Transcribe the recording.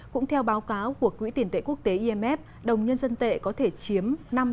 cũng theo báo cáo của quỹ tiền tệ quốc tế imf đồng nhân dân tệ có thể chiếm năm tám